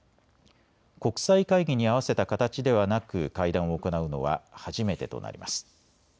国際会議に合わせた形ではなく会談を行うのは初めてとなります。